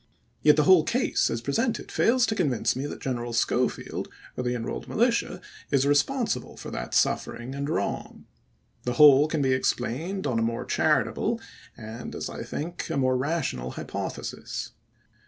Yet the whole case, as presented, fails to con vince me that General Schofield, or the Enrolled Militia, is responsible for that suffering and wrong. The whole can be explained on a more charitable and, as I think, a more rational hypothesis.